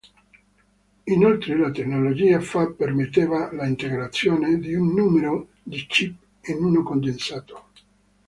Inoltre la tecnologia fab permetteva l'integrazione di un numero di chip in uno condensato.